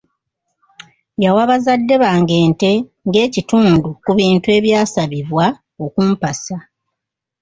Yawa bazadde bange ente ng'ekitundu ku bintu ebyasabibwa okumpasa.